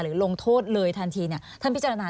ลงโทษเลยทันทีท่านพิจารณา